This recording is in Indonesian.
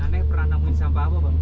aneh pernah nemuin sampah apa bang